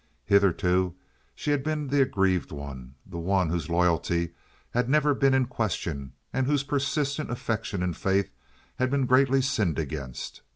Hitherto she had been the aggrieved one, the one whose loyalty had never been in question, and whose persistent affection and faith had been greatly sinned against.